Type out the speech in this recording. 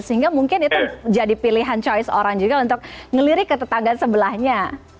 sehingga mungkin itu jadi pilihan choice orang juga untuk ngelirik ke tetangga sebelahnya